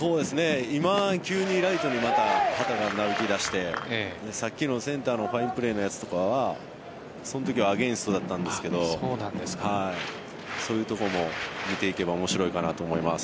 今、急にライトにまた旗がなびき出してさっきのセンターのファインプレーのやつとかはそのときはアゲンストだったんですがそういうところを見ていけば面白いかなと思います。